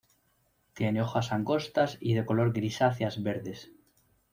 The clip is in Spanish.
Tiene hojas angostas y de color grisáceas verdes.